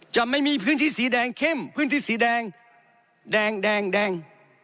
จะไม่มีพื้นที่สีแดงเข้มพื้นที่สีแดงแดง